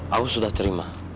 aku sudah terima